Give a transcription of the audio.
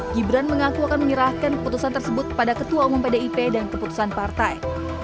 gibran mengaku akan menyerahkan keputusan tersebut kepada ketua umum pdip dan keputusan partai